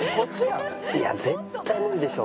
いや絶対無理でしょ。